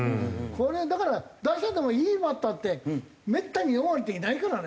これだから打者でもいいバッターってめったに４割っていないからね。